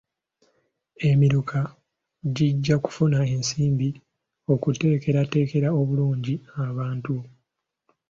Emiruka gijja kufuna ensimbi okuteekerateekera obulungi abantu.